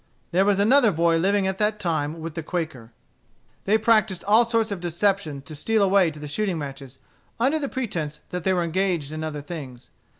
There was another boy living at that time with the Quaker. They practised all sorts of deceptions to steal away to the shooting matches under pretence that they were engaged in other things.